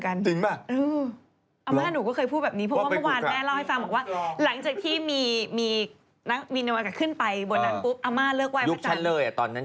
อัมมาหนูก็คือแบบนี้เหมือนกัน